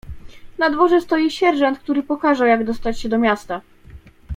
"Na dworze stoi sierżant, który pokaże, jak dostać się do miasta."